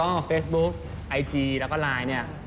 เฟซบุ๊คไอจีแล้วก็ไลน์เนี่ย